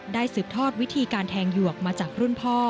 สืบทอดวิธีการแทงหยวกมาจากรุ่นพ่อ